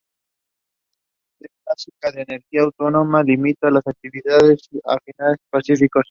La Ley Básica de Energía Atómica limitaba las actividades a fines pacíficos.